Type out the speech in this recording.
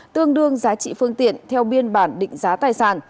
tương đương giá trị phương tiện theo biên bản định giá